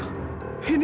gua sudah selesai